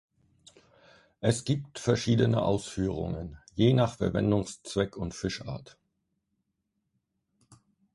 Es gibt verschiedene Ausführungen, je nach Verwendungszweck und Fischart.